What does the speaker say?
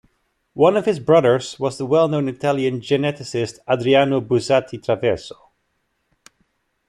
One of his brothers was the well-known Italian geneticist Adriano Buzzati-Traverso.